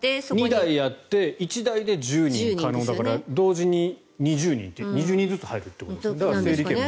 ２台あって１台で１０人可能だから同時に２０人ずつ入るということですね。